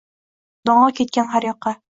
Dong‘i ketdi har yoqqa.